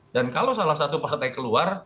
dan kalau salah satu partai keluar